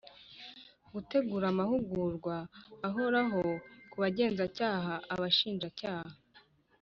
Gutegura amahugurwa ahoraho ku Bagenzacyaha Abashinjacyaha